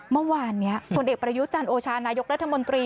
เมื่อวานนี้ผลเอกประยุจันโอชานายกรัฐมนตรี